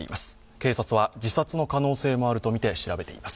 警察は自殺の可能性もあるとみて調べています。